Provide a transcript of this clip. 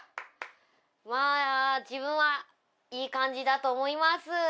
まあ自分はいい感じだと思います。